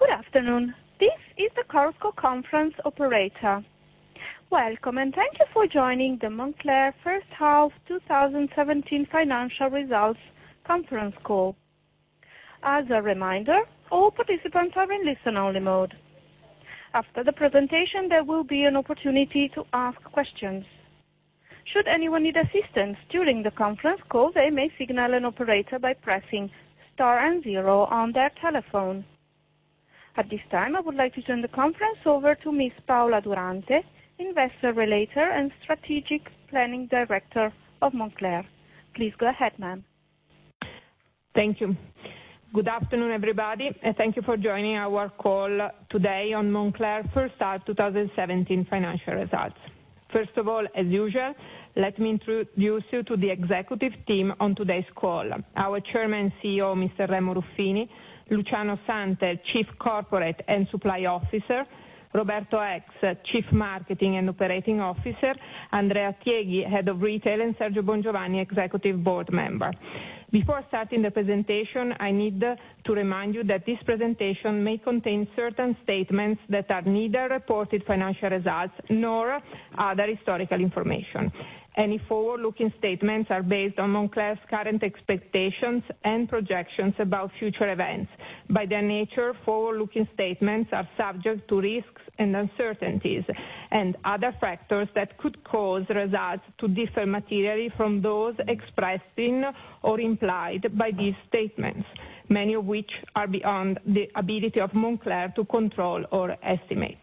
Good afternoon. This is the Chorus Call Conference operator. Welcome, and thank you for joining the Moncler first half 2017 financial results conference call. As a reminder, all participants are in listen-only mode. After the presentation, there will be an opportunity to ask questions. Should anyone need assistance during the conference call, they may signal an operator by pressing Star and Zero on their telephone. At this time, I would like to turn the conference over to Ms. Paola Durante, Investor Relator and Strategic Planning Director of Moncler. Please go ahead, ma'am. Thank you. Good afternoon, everybody. Thank you for joining our call today on Moncler first half 2017 financial results. First of all, as usual, let me introduce you to the executive team on today's call. Our Chairman and CEO, Mr. Remo Ruffini, Luciano Santel, Chief Corporate and Supply Officer, Roberto Eggs, Chief Marketing and Operating Officer, Andrea Tieghi, Head of Retail, and Sergio Longo, Executive Board Member. Before starting the presentation, I need to remind you that this presentation may contain certain statements that are neither reported financial results nor are they historical information. Any forward-looking statements are based on Moncler's current expectations and projections about future events. By their nature, forward-looking statements are subject to risks and uncertainties and other factors that could cause results to differ materially from those expressed in or implied by these statements, many of which are beyond the ability of Moncler to control or estimate.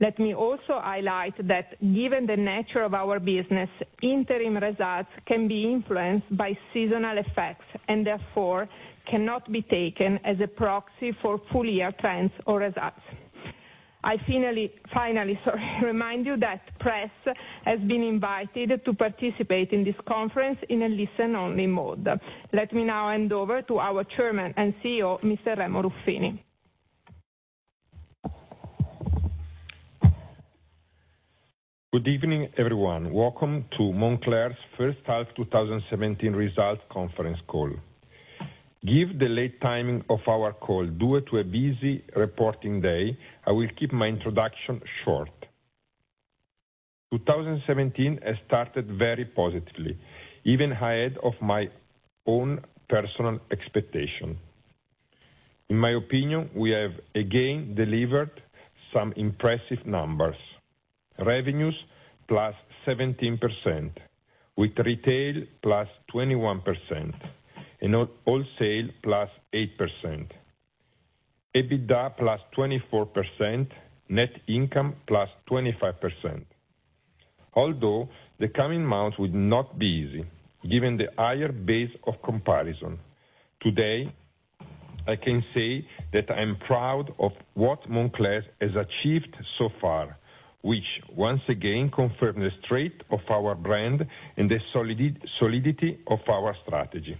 Let me also highlight that given the nature of our business, interim results can be influenced by seasonal effects and therefore cannot be taken as a proxy for full-year trends or results. I finally remind you that press has been invited to participate in this conference in a listen-only mode. Let me now hand over to our Chairman and CEO, Mr. Remo Ruffini. Good evening, everyone. Welcome to Moncler's first half 2017 results conference call. Given the late timing of our call due to a busy reporting day, I will keep my introduction short. 2017 has started very positively, even ahead of my own personal expectation. In my opinion, we have again delivered some impressive numbers. Revenues plus 17%, with retail plus 21% and wholesale plus 8%. EBITDA plus 24%, net income plus 25%. Although the coming months would not be easy, given the higher base of comparison, today I can say that I'm proud of what Moncler has achieved so far, which once again confirmed the strength of our brand and the solidity of our strategy.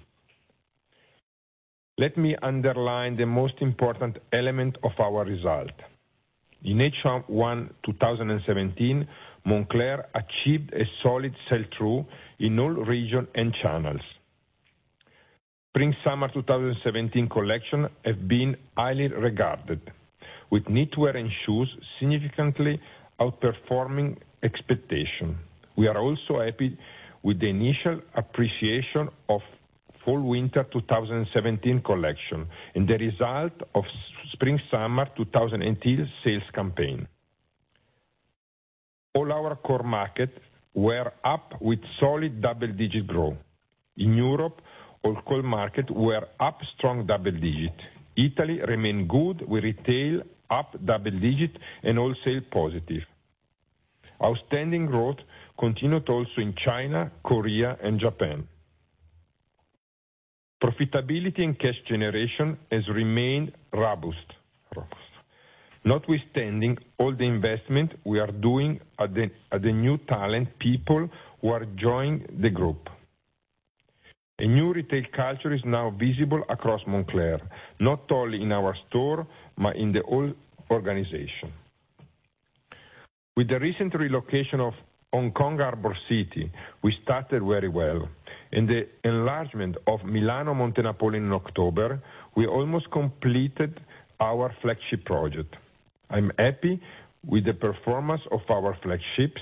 Let me underline the most important element of our result. In H1 2017, Moncler achieved a solid sell-through in all region and channels. Spring-summer 2017 collection has been highly regarded, with knitwear and shoes significantly outperforming expectations. We are also happy with the initial appreciation of fall/winter 2017 collection and the result of spring/summer 2018 sales campaign. All our core markets were up with solid double-digit growth. In Europe, all core markets were up strong double digits. Italy remained good, with retail up double digits and wholesale positive. Outstanding growth continued also in China, Korea, and Japan. Profitability and cash generation have remained robust. Notwithstanding all the investment we are doing at the new talent people who are joining the group. A new retail culture is now visible across Moncler, not only in our store but in the whole organization. With the recent relocation of Hong Kong Harbour City, we started very well. In the enlargement of Milano Montenapoleone in October, we almost completed our flagship project. I'm happy with the performance of our flagships,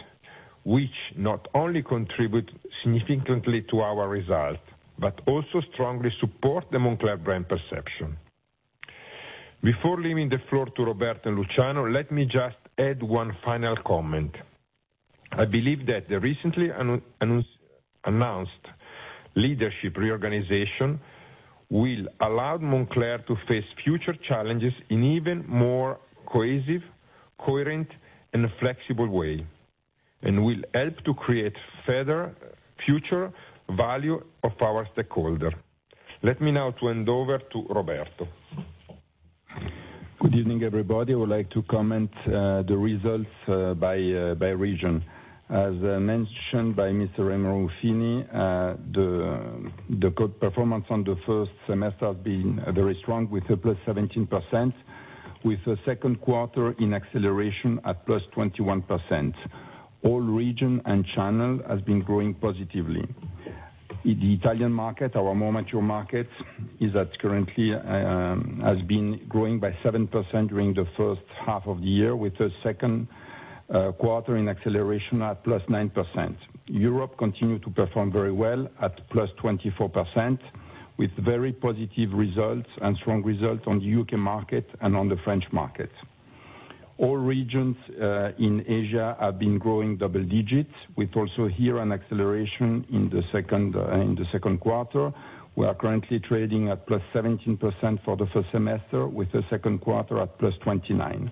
which not only contribute significantly to our results, but also strongly support the Moncler brand perception. Before leaving the floor to Roberto and Luciano, let me just add one final comment. I believe that the recently announced leadership reorganization will allow Moncler to face future challenges in even more cohesive, coherent, and flexible way, and will help to create future value of our stakeholders. Let me now hand over to Roberto. Good evening, everybody. I would like to comment the results by region. As mentioned by Mr. Remo Ruffini, the good performance on the first semester has been very strong with a +17%. With the second quarter in acceleration at +21%. All regions and channels have been growing positively. In the Italian market, our more mature market, has been growing by 7% during the first half of the year, with the second quarter in acceleration at +9%. Europe continued to perform very well at +24%, with very positive results and strong results on the U.K. market and on the French market. All regions in Asia have been growing double digits with also here an acceleration in the second quarter. We are currently trading at +17% for the first semester, with the second quarter at +29%.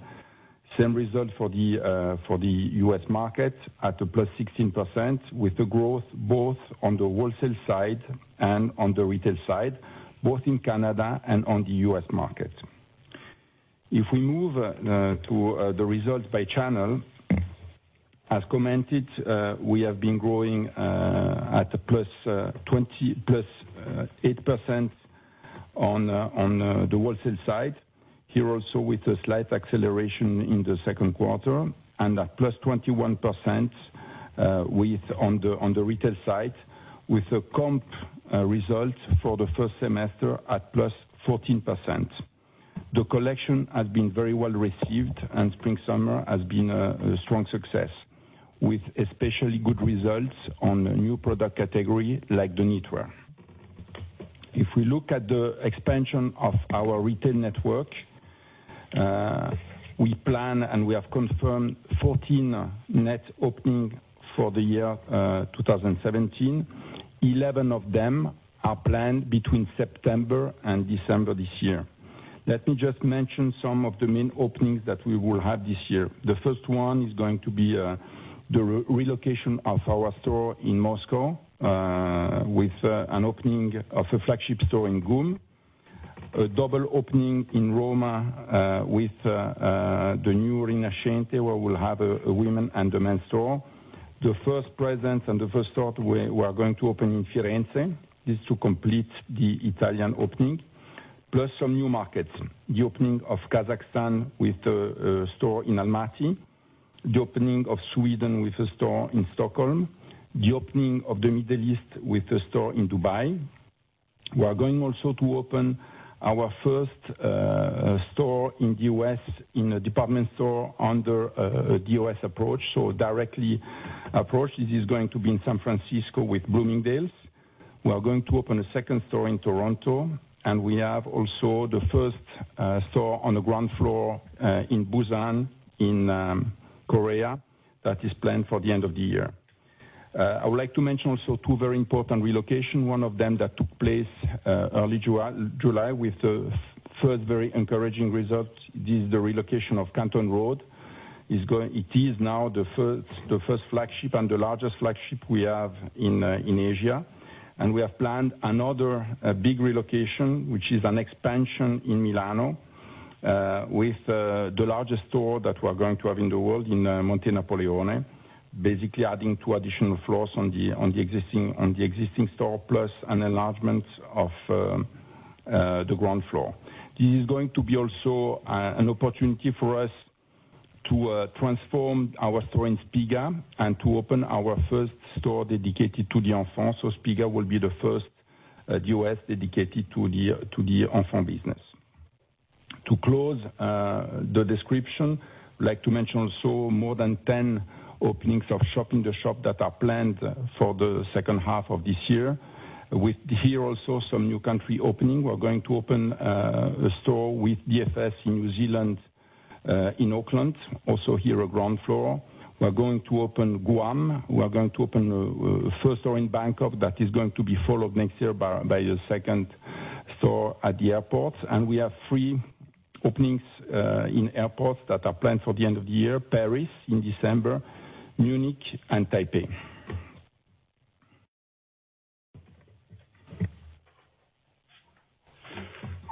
Same result for the U.S. market at a +16%, with the growth both on the wholesale side and on the retail side, both in Canada and on the U.S. market. If we move to the results by channel, as commented, we have been growing at a +8% on the wholesale side here also with a slight acceleration in the second quarter and at +21% on the retail side with a comp result for the first semester at +14%. The collection has been very well received, and spring/summer has been a strong success with especially good results on a new product category like the knitwear. If we look at the expansion of our retail network, we plan, and we have confirmed 14 net openings for the year 2017. 11 of them are planned between September and December this year. Let me just mention some of the main openings that we will have this year. The first one is going to be the relocation of our store in Moscow, with an opening of a flagship store in GUM, a double opening in Rome, with the new Rinascente where we'll have a women and a men store. The first presence and the first store we are going to open in Florence is to complete the Italian opening, plus some new markets, the opening of Kazakhstan with a store in Almaty, the opening of Sweden with a store in Stockholm, the opening of the Middle East with a store in Dubai. We are going also to open our first store in the U.S. in a department store under the U.S. approach, so directly approach. This is going to be in San Francisco with Bloomingdale's. We are going to open a second store in Toronto, and we have also the first store on the ground floor in Busan, in Korea that is planned for the end of the year. I would like to mention also two very important relocation, one of them that took place early July with the first very encouraging result. This is the relocation of Canton Road. It is now the first flagship and the largest flagship we have in Asia. We have planned another big relocation, which is an expansion in Milan, with the largest store that we are going to have in the world in Monte Napoleone. Basically adding two additional floors on the existing store, plus an enlargement of the ground floor. This is going to be also an opportunity for us to transform our store in Spiga and to open our first store dedicated to the Enfant. So Spiga will be the first U.S. dedicated to the Enfant business. To close the description, I'd like to mention also more than 10 openings of shop in the shop that are planned for the second half of this year. With here also some new country opening. We're going to open a store with DFS in New Zealand, in Auckland. Also here a ground floor. We're going to open Guam. We are going to open a first store in Bangkok that is going to be followed next year by a second store at the airport. We have three openings in airports that are planned for the end of the year, Paris in December, Munich, and Taipei.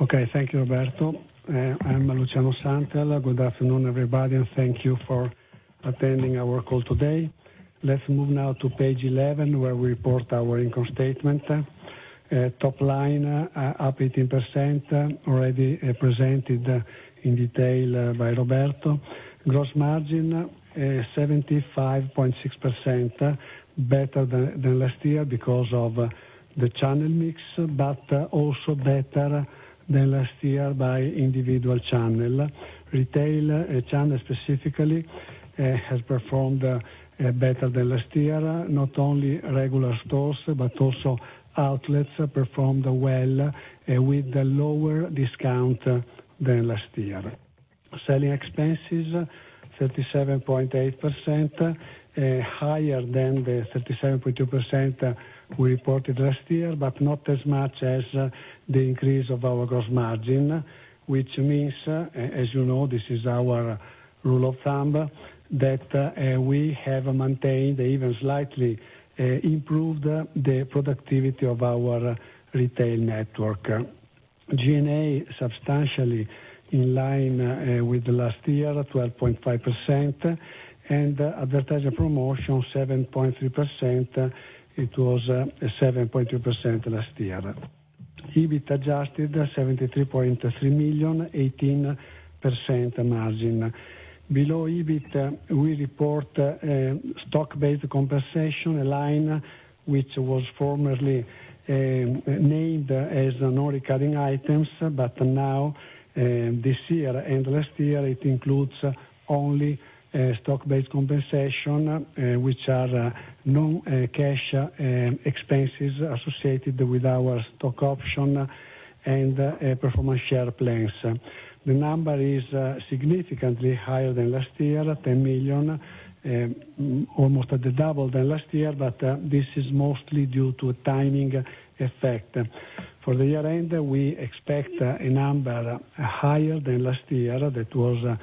Okay. Thank you, Roberto. I'm Luciano Santel. Good afternoon, everybody, and thank you for attending our call today. Let's move now to page 11, where we report our income statement. Top line, up 18%, already presented in detail by Roberto. Gross margin, 75.6%, better than last year because of the channel mix, but also better than last year by individual channel. Retail channel specifically has performed better than last year, not only regular stores but also outlets performed well with a lower discount than last year. Selling expenses, 37.8%, higher than the 37.2% we reported last year, but not as much as the increase of our gross margin, which means, as you know, this is our rule of thumb, that we have maintained, even slightly, improved the productivity of our retail network. G&A substantially in line with last year at 12.5%. Advertising promotion 7.3%. It was 7.2% last year. EBIT adjusted 73.3 million, 18% margin. Below EBIT, we report stock-based compensation line, which was formerly named as non-recurring items, but now this year and last year, it includes only stock-based compensation, which are no cash expenses associated with our stock option and performance share plans. The number is significantly higher than last year, 10 million, almost at the double than last year, but this is mostly due to timing effect. For the year end, we expect a number higher than last year. That was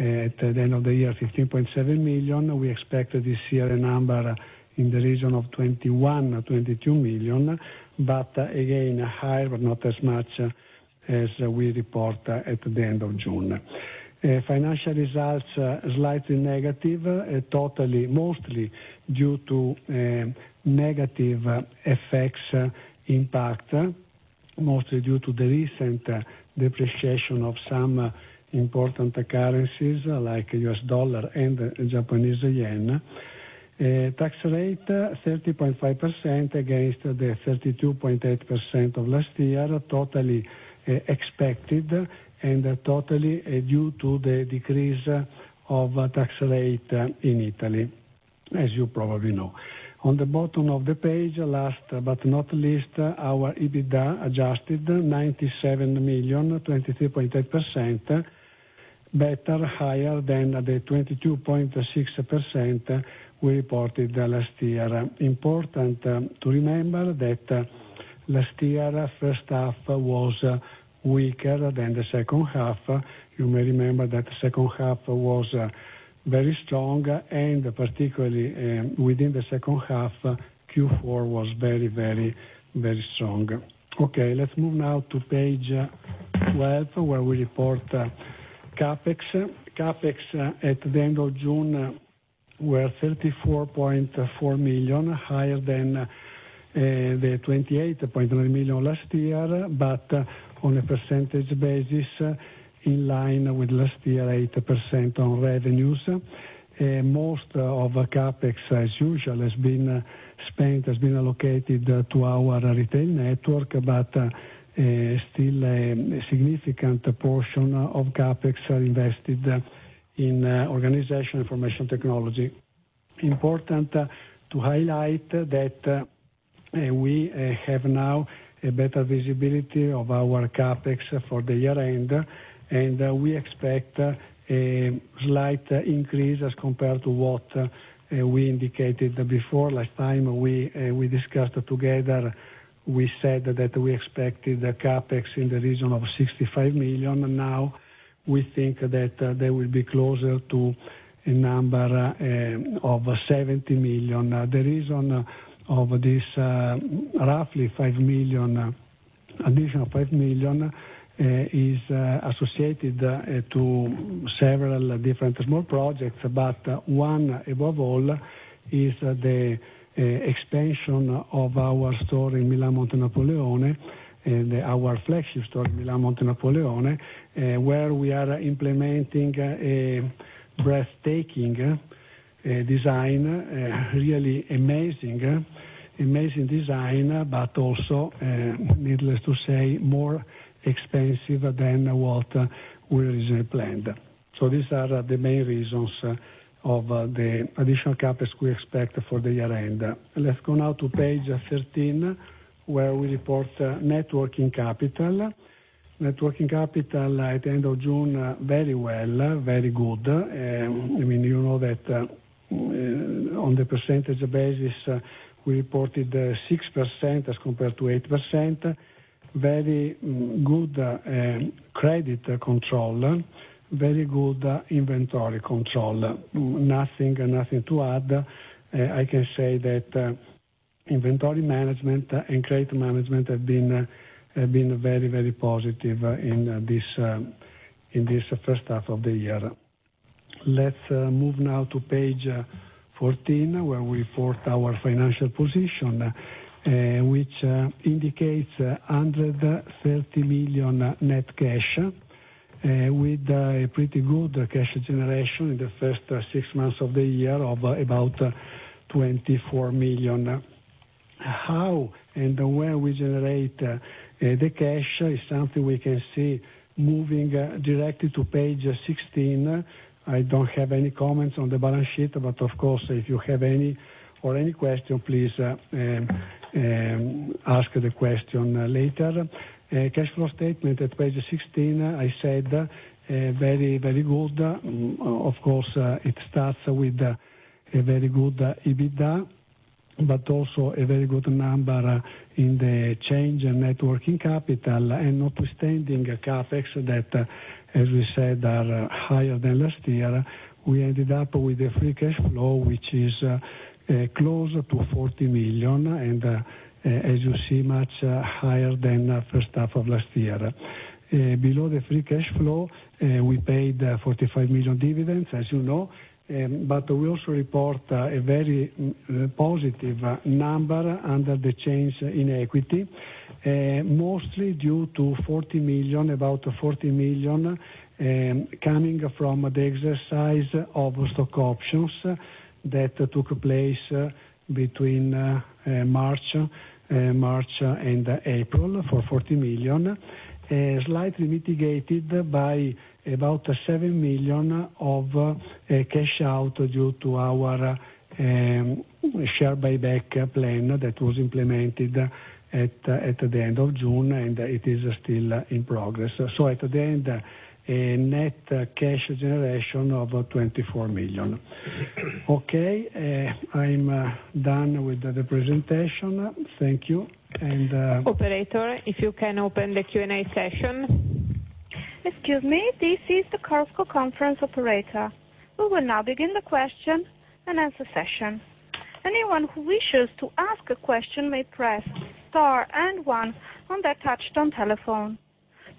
at the end of the year, 15.7 million. We expect this year a number in the region of 21 million, 22 million, but again, higher, but not as much as we report at the end of June. Financial results, slightly negative, totally mostly due to negative effects impact, mostly due to the recent depreciation of some important currencies, like U.S. dollar and Japanese yen. Tax rate 30.5% against the 32.8% of last year, totally expected and totally due to the decrease of tax rate in Italy, as you probably know. On the bottom of the page, last but not least, our EBITDA adjusted, 97 million, 23.8%, better, higher than the 22.6% we reported last year. Important to remember that last year, first half was weaker than the second half. You may remember that the second half was very strong and particularly within the second half, Q4 was very strong. Okay, let's move now to page 12, where we report CapEx. CapEx at the end of June were 34.4 million, higher than the 28.9 million last year, but on a percentage basis, in line with last year, 8% on revenues. Most of CapEx, as usual, has been spent, has been allocated to our retail network, but still a significant portion of CapEx are invested in organization information technology. Important to highlight that we have now a better visibility of our CapEx for the year end, and we expect a slight increase as compared to what we indicated before. Last time we discussed together, we said that we expected the CapEx in the region of 65 million. Now we think that they will be closer to a number of 70 million. The reason of this roughly additional 5 million is associated to several different small projects, but one above all is the expansion of our store in Milan, Monte Napoleone, and our flagship store in Milan, Monte Napoleone, where we are implementing a breathtaking design, a really amazing design, but also, needless to say, more expensive than what we originally planned. These are the main reasons of the additional CapEx we expect for the year end. Let's go now to page 13, where we report net working capital. Net working capital at the end of June, very well, very good. You know that on the percentage basis, we reported 6% as compared to 8%. Very good credit control. Very good inventory control. Nothing to add. I can say that inventory management and credit management have been very positive in this first half of the year. Let's move now to page 14, where we report our financial position, which indicates 130 million net cash with a pretty good cash generation in the first six months of the year of about 24 million. How and where we generate the cash is something we can see moving directly to page 16. I don't have any comments on the balance sheet, but of course, if you have any or any question, please ask the question later. Cash flow statement at page 16, I said very good. Of course, it starts with a very good EBITDA, but also a very good number in the change in net working capital and notwithstanding CapEx that, as we said, are higher than last year, we ended up with a free cash flow, which is closer to 40 million and as you see, much higher than first half of last year. Below the free cash flow, we paid 45 million dividends, as you know. We also report a very positive number under the change in equity. Mostly due to about 40 million, coming from the exercise of stock options that took place between March and April, for 40 million. Slightly mitigated by about 7 million of cash out due to our share buyback plan that was implemented at the end of June, and it is still in progress. At the end, a net cash generation of 24 million. Okay, I'm done with the presentation. Thank you. Operator, if you can open the Q&A session.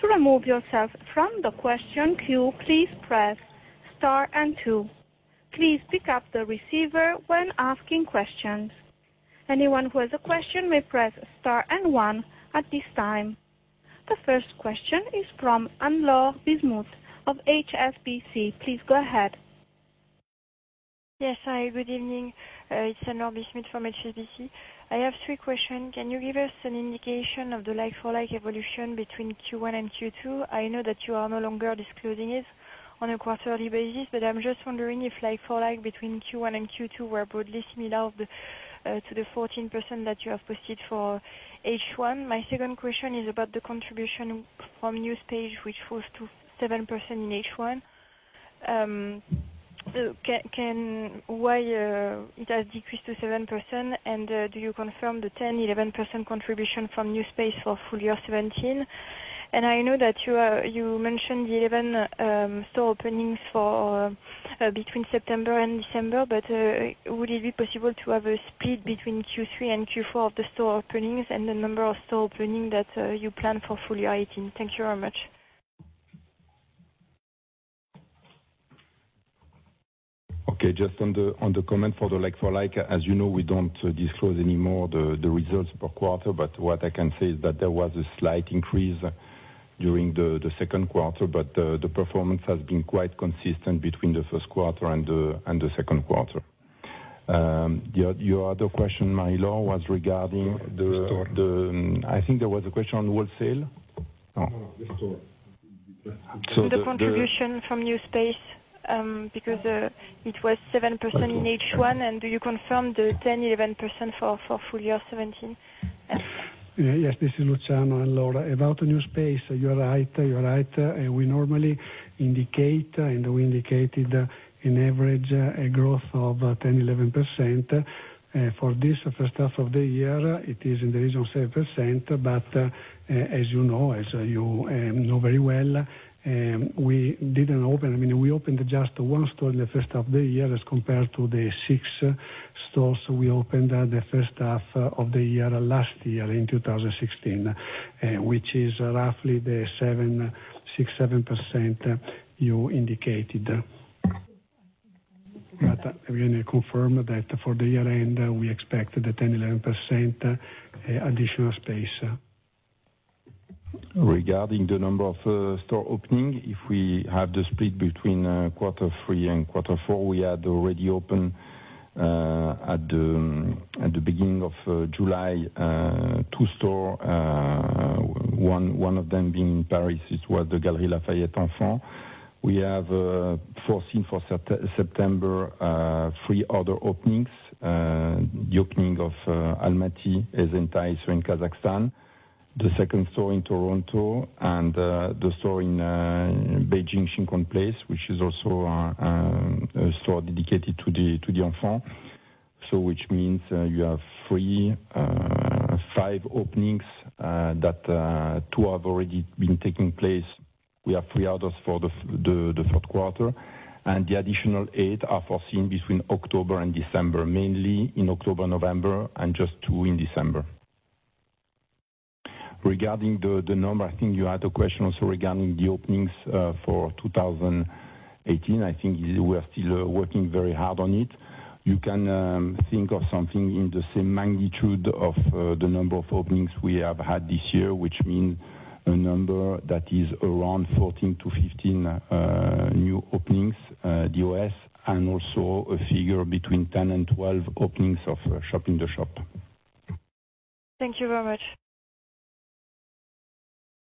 The first question is from Anne-Laure Bismuth of HSBC. Please go ahead. Yes. Hi, good evening. It's Anne-Laure Bismuth from HSBC. I have three questions. Can you give us an indication of the like-for-like evolution between Q1 and Q2? I know that you are no longer disclosing it on a quarterly basis, but I'm just wondering if like-for-like between Q1 and Q2 were broadly similar to the 14% that you have posted for H1. My second question is about the contribution from new space, which falls to 7% in H1. Why it has decreased to 7% and do you confirm the 10%-11% contribution from new space for full year 2017? I know that you mentioned the 11 store openings between September and December, but would it be possible to have a split between Q3 and Q4 of the store openings and the number of store opening that you plan for full year 2018? Thank you very much. Okay. Just on the comment for the like-for-like, as you know, we don't disclose any more the results per quarter. The performance has been quite consistent between the first quarter and the second quarter. Your other question, Anne-Laure, was I think there was a question on wholesale. No. The contribution from new space, because it was 7% in H1, and do you confirm the 10%-11% for full year 2017? Yes, this is Luciano, Anne-Laure. About the new space, you are right. We normally indicate, and we indicated on average a growth of 10%-11%. For this first half of the year, it is in the region of 7%. As you know very well, we opened just one store in the first half the year as compared to the six stores we opened at the first half of the year last year in 2016. Which is roughly the 6%-7% you indicated. Again, I confirm that for the year end, we expect the 10%-11% additional space. Regarding the number of store opening, if we have the split between Q3 and Q4, we had already opened at the beginning of July two stores. One of them being in Paris, it was the Galeries Lafayette Enfant. We have foreseen for September three other openings. The opening of Almaty Esentai in Kazakhstan. The second store in Toronto, and the store in Beijing Shin Kong Place, which is also a store dedicated to the Enfant. Which means you have five openings, that two have already been taking place. We have three others for the Q3, and the additional eight are foreseen between October and December, mainly in October, November and just two in December. Regarding the number, I think you had a question also regarding the openings for 2018. I think we are still working very hard on it. You can think of something in the same magnitude of the number of openings we have had this year, which means a number that is around 14-15 new openings DOS, and also a figure between 10 and 12 openings of shop in the shop. Thank you very much.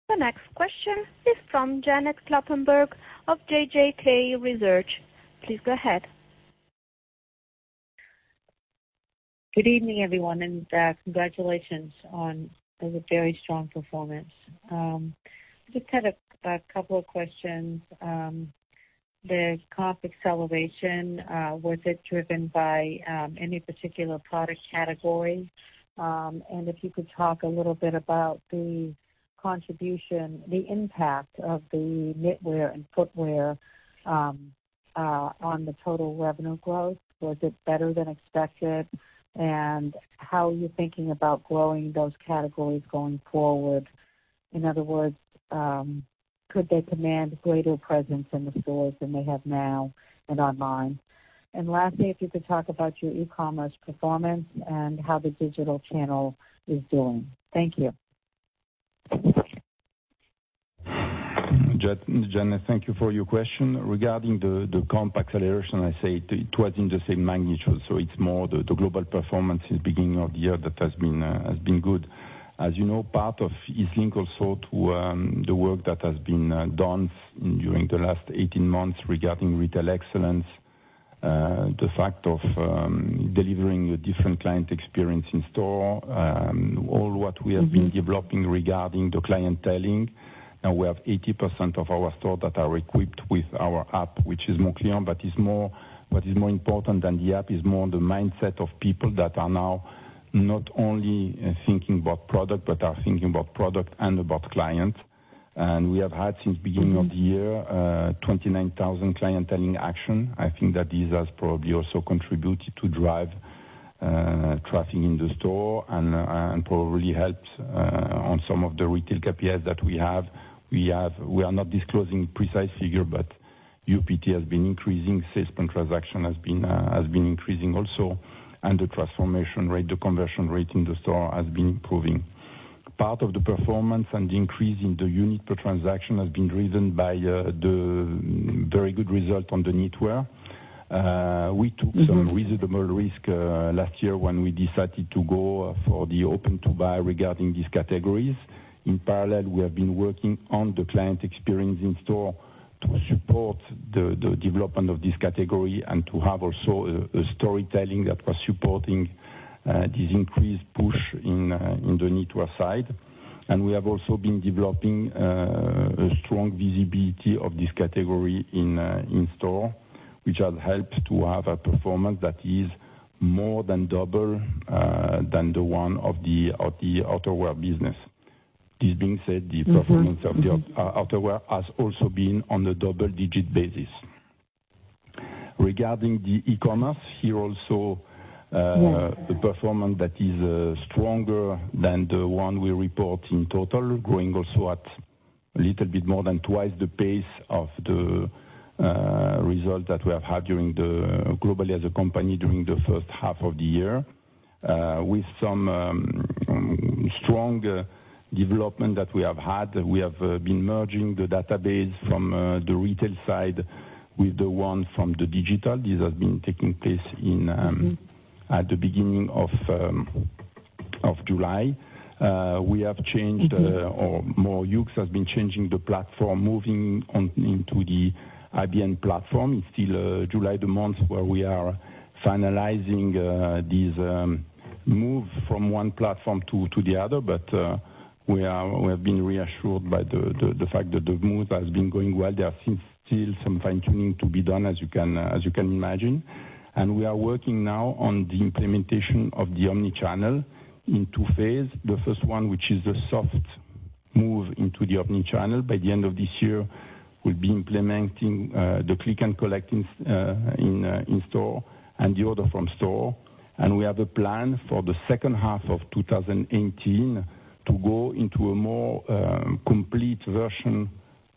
The next question is from Janet Kloppenburg of JJK Research. Please go ahead. Good evening, everyone, and congratulations on a very strong performance. Just had a couple of questions. The comp acceleration, was it driven by any particular product category? If you could talk a little bit about the impact of the knitwear and footwear on the total revenue growth, was it better than expected? How are you thinking about growing those categories going forward? In other words, could they command greater presence in the stores than they have now and online? Lastly, if you could talk about your e-commerce performance and how the digital channel is doing. Thank you. Janet, thank you for your question. Regarding the comp acceleration, I say it was in the same magnitude, it is more the global performance since beginning of the year that has been good. As you know, part of is linked also to the work that has been done during the last 18 months regarding retail excellence. The fact of delivering a different client experience in store, all what we have been developing regarding the clienteling. Now we have 80% of our store that are equipped with our app, which is Moncler. It is more important than the app, it is more the mindset of people that are now not only thinking about product, but are thinking about product and about client. We have had since beginning of the year, 29,000 clienteling action. I think that this has probably also contributed to drive traffic in the store and probably helped on some of the retail KPIs that we have. We are not disclosing precise figure, UPT has been increasing, sales per transaction has been increasing also, the transformation rate, the conversion rate in the store has been improving. Part of the performance and the increase in the unit per transaction has been driven by the very good result on the knitwear. We took some reasonable risk last year when we decided to go for the open-to-buy regarding these categories. In parallel, we have been working on the client experience in store to support the development of this category and to have also a storytelling that was supporting this increased push in the knitwear side. We have also been developing a strong visibility of this category in store, which has helped to have a performance that is more than double than the one of the outerwear business. This being said, the performance of the outerwear has also been on a double-digit basis. Regarding the e-commerce, here also the performance that is stronger than the one we report in total, growing also at a little bit more than twice the pace of the result that we have had globally as a company during the first half of the year. Some strong development that we have had, we have been merging the database from the retail side with the one from the digital. This has been taking place at the beginning of July. We have changed, or more Yoox has been changing the platform, moving into the IBM platform. It's still July the month where we are finalizing this move from one platform to the other. We have been reassured by the fact that the move has been going well. There are still some fine-tuning to be done, as you can imagine. We are working now on the implementation of the omni-channel in two phase. The first one, which is the soft move into the omni-channel. By the end of this year, we'll be implementing the click and collect in store and the order from store. We have a plan for the second half of 2018 to go into a more complete version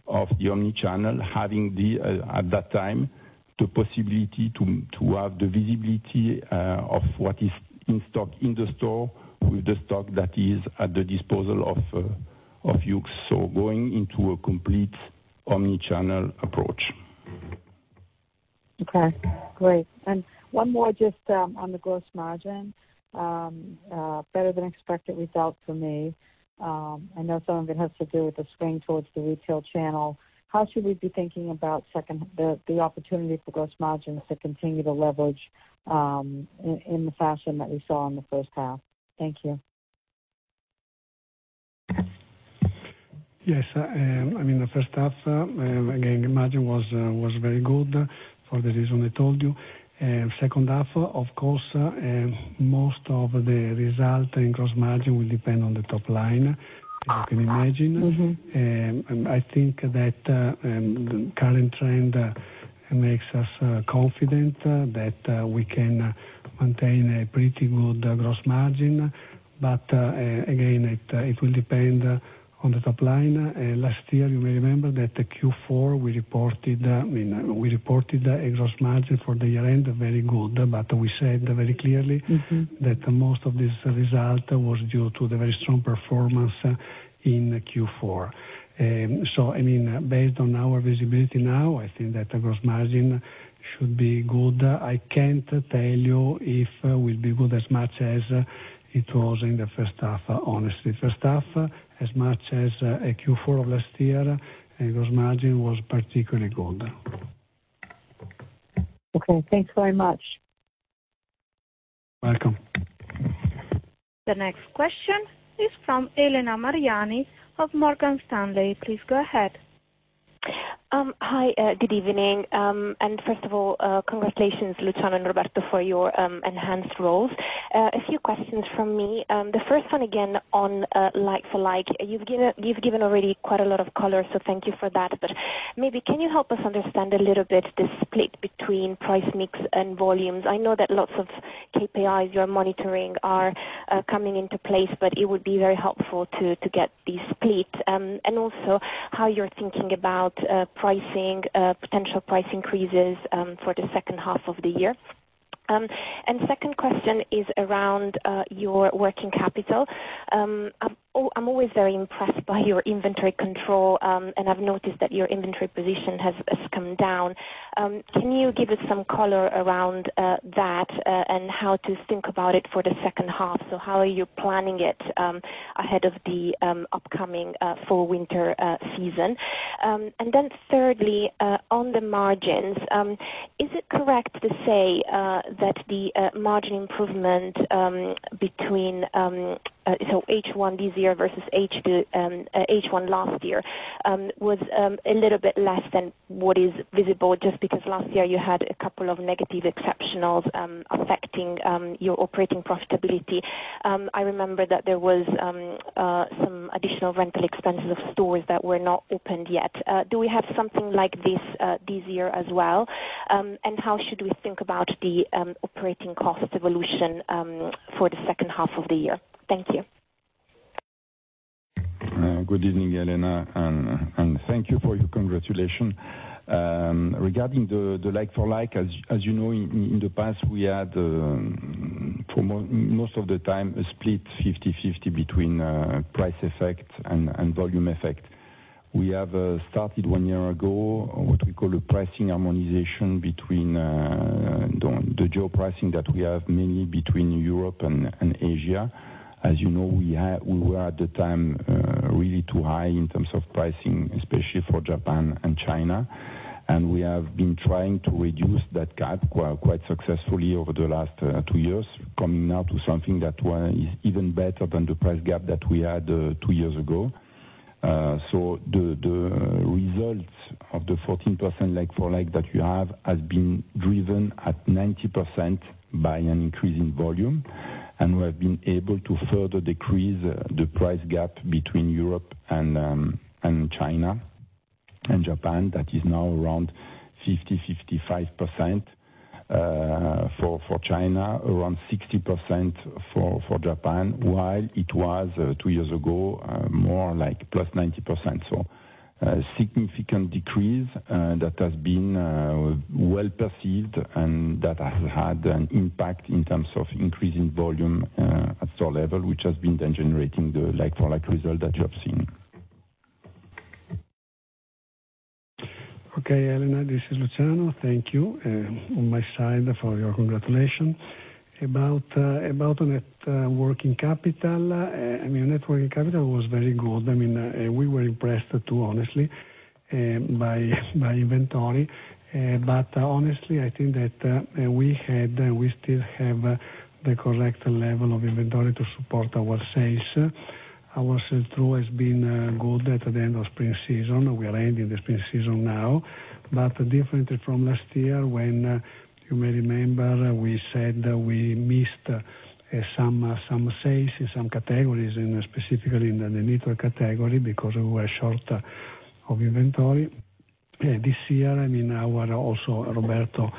of the omni-channel, having at that time, the possibility to have the visibility of what is in stock in the store with the stock that is at the disposal of Yoox. Going into a complete omni-channel approach. Okay, great. One more just on the gross margin. Better than expected result for me. I know some of it has to do with the swing towards the retail channel. How should we be thinking about the opportunity for gross margins to continue to leverage in the fashion that we saw in the first half? Thank you. Yes. The first half, again, margin was very good for the reason I told you. Second half, of course, most of the result in gross margin will depend on the top line, as you can imagine. I think that the current trend makes us confident that we can maintain a pretty good gross margin. Again, it will depend on the top line. Last year, you may remember that the Q4, we reported a gross margin for the year-end, very good. We said very clearly that most of this result was due to the very strong performance in Q4. Based on our visibility now, I think that the gross margin should be good. I can't tell you if it will be good as much as it was in the first half, honestly. First half, as much as a Q4 of last year, gross margin was particularly good. Okay, thanks very much. Welcome. The next question is from Elena Mariani of Morgan Stanley. Please go ahead. Hi, good evening. First of all, congratulations Luciano and Roberto for your enhanced roles. A few questions from me. The first one again on like-for-like. You've given already quite a lot of color, so thank you for that. Maybe, can you help us understand a little bit the split between price mix and volumes? I know that lots of KPIs you're monitoring are coming into place, but it would be very helpful to get the split. Also how you're thinking about pricing, potential price increases, for the second half of the year. Second question is around your working capital. I'm always very impressed by your inventory control, and I've noticed that your inventory position has come down. Can you give us some color around that, and how to think about it for the second half? How are you planning it ahead of the upcoming fall/winter season? Thirdly, on the margins. Is it correct to say that the margin improvement between H1 this year versus H1 last year was a little bit less than what is visible just because last year you had a couple of negative exceptionals affecting your operating profitability? I remember that there was some additional rental expenses of stores that were not opened yet. Do we have something like this this year as well? How should we think about the operating cost evolution for the second half of the year? Thank you. Good evening, Elena. Thank you for your congratulations. Regarding the like-for-like, as you know, in the past, we had for most of the time, a split 50/50 between price effect and volume effect. We have started 1 year ago, what we call a pricing harmonization between the geo pricing that we have mainly between Europe and Asia. As you know, we were at the time, really too high in terms of pricing, especially for Japan and China. We have been trying to reduce that gap quite successfully over the last 2 years, coming now to something that was even better than the price gap that we had 2 years ago. The results of the 14% like-for-like that we have has been driven at 90% by an increase in volume. We have been able to further decrease the price gap between Europe and China and Japan that is now around 50, 55% for China, around 60% for Japan. While it was 2 years ago, more like +90%. A significant decrease that has been well perceived and that has had an impact in terms of increasing volume at store level, which has been then generating the like-for-like result that you have seen. Okay, Elena, this is Luciano. Thank you on my side for your congratulations. About net working capital. Net working capital was very good. We were impressed too honestly by inventory. Honestly, I think that we had and we still have the correct level of inventory to support our sales. Our sales too has been good at the end of spring season. We are ending the spring season now, but differently from last year when you may remember we said we missed some sales in some categories and specifically in the knitware category because we were short of inventory. This year, also Roberto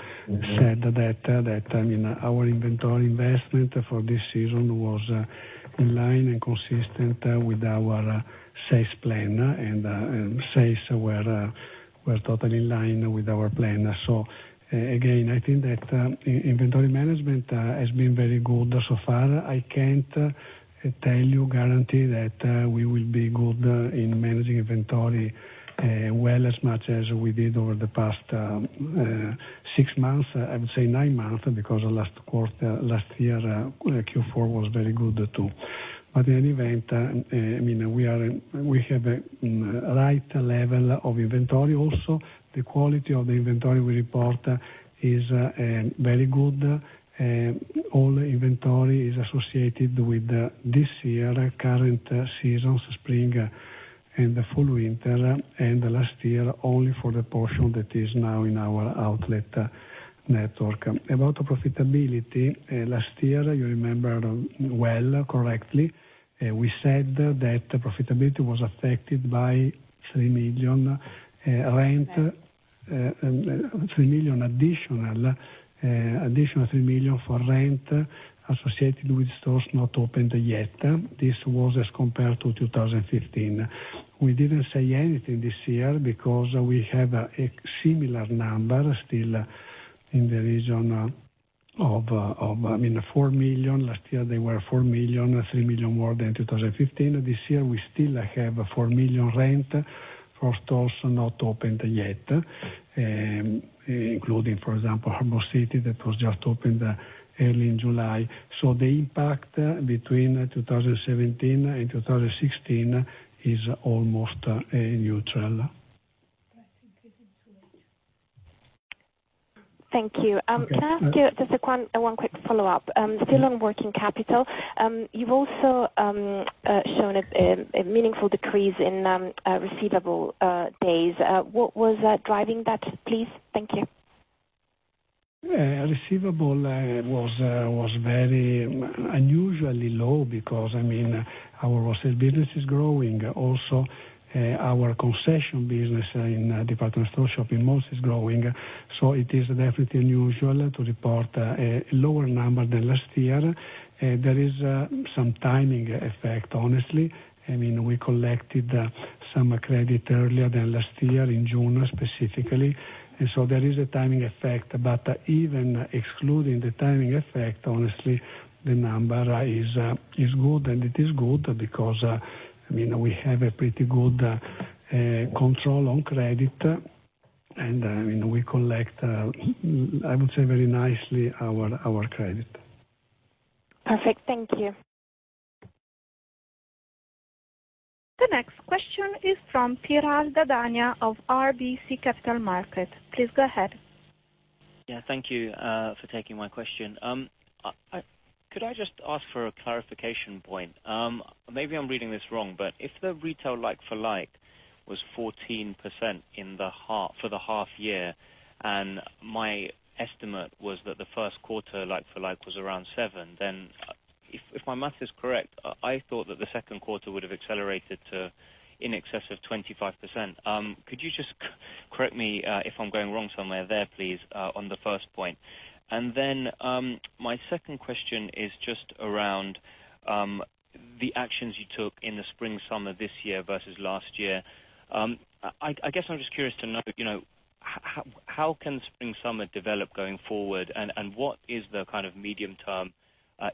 said that our inventory investment for this season was in line and consistent with our sales plan and sales were totally in line with our plan. Again, I think that inventory management has been very good so far. I can't tell you, guarantee that we will be good in managing inventory well as much as we did over the past 6 months, I would say 9 months because last year, Q4 was very good too. In any event, we have a right level of inventory. Also, the quality of the inventory we report is very good. All inventory is associated with this year, current season, spring and fall/winter, and last year, only for the portion that is now in our outlet network. About profitability, last year you remember well, correctly, we said that profitability was affected by 3 million additional for rent associated with stores not opened yet. This was as compared to 2015. We didn't say anything this year because we have a similar number still in the region of 4 million. Last year they were 4 million, 3 million more than 2015. This year we still have 4 million rent for stores not opened yet, including, for example, Harbor City that was just opened early in July. The impact between 2017 and 2016 is almost neutral. Price increase Thank you. Can I ask you just one quick follow-up? Still on working capital. You've also shown a meaningful decrease in receivable days. What was driving that, please? Thank you. Receivable was very unusually low because our wholesale business is growing, also our concession business in department store shopping malls is growing. It is definitely unusual to report a lower number than last year. There is some timing effect, honestly. We collected some credit earlier than last year, in June specifically. There is a timing effect. Even excluding the timing effect, honestly, the number is good. It is good because we have a pretty good control on credit. We collect, I would say, very nicely our credit. Perfect. Thank you. The next question is from Piral Dadhania of RBC Capital Markets. Please go ahead. Thank you for taking my question. Could I just ask for a clarification point? Maybe I'm reading this wrong, if the retail like-for-like was 14% for the half year, my estimate was that the first quarter like-for-like was around seven, if my math is correct, I thought that the second quarter would have accelerated to in excess of 25%. Could you just correct me if I'm going wrong somewhere there, please, on the first point? My second question is just around the actions you took in the spring/summer this year versus last year. I guess I'm just curious to know, how can spring/summer develop going forward, and what is the kind of medium-term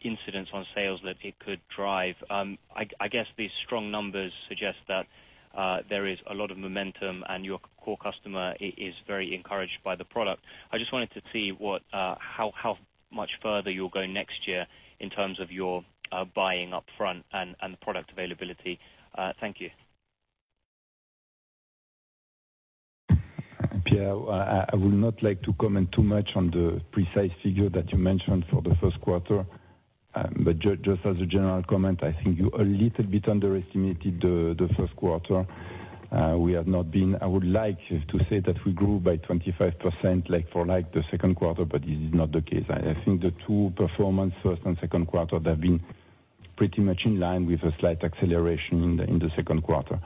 incidence on sales that it could drive? I guess these strong numbers suggest that there is a lot of momentum, and your core customer is very encouraged by the product. I just wanted to see how much further you'll go next year in terms of your buying up front and product availability. Thank you. Piral, I would not like to comment too much on the precise figure that you mentioned for the first quarter. Just as a general comment, I think you a little bit underestimated the first quarter. I would like to say that we grew by 25% like for like the second quarter, this is not the case. I think the two performance, first and second quarter, they've been pretty much in line with a slight acceleration in the second quarter.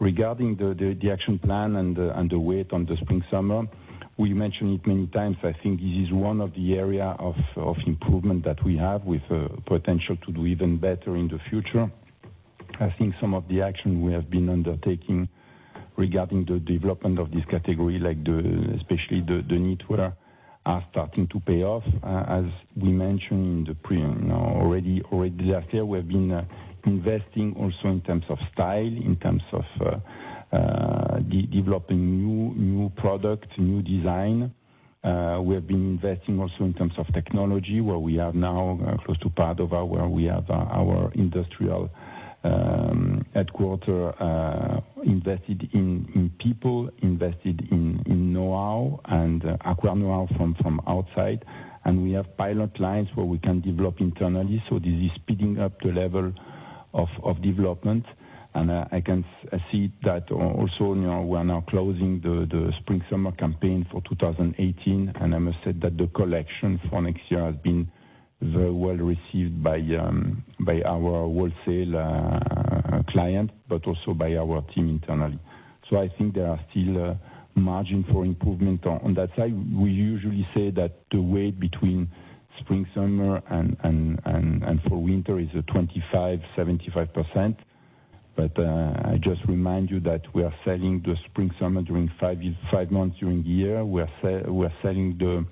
Regarding the action plan and the weight on the spring/summer, we mentioned it many times. I think this is one of the area of improvement that we have with a potential to do even better in the future. I think some of the action we have been undertaking regarding the development of this category, especially the knitwear, are starting to pay off. As we mentioned in the premium already last year, we've been investing also in terms of style, in terms of developing new product, new design. We have been investing also in terms of technology where we are now close to Padova where we have our industrial headquarter invested in people, invested in know-how and acquire know-how from outside. We have pilot lines where we can develop internally. This is speeding up the level of development. I see that also we are now closing the spring/summer campaign for 2018. I must say that the collection for next year has been very well received by our wholesale client, also by our team internally. I think there are still margin for improvement on that side. We usually say that the weight between spring/summer and fall/winter is 25%-75%. I just remind you that we are selling the spring/summer during five months during the year. We are selling the